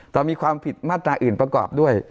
แต่มีความผิดมาตราอื่นประกอบด้วย